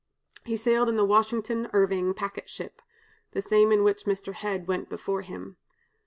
He sailed in the 'Washington Irving' packet ship, the same in which Mr. Hedge went before him.